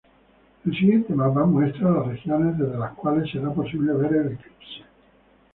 El siguiente mapa muestra las regiones desde las cuales será posible ver el eclipse.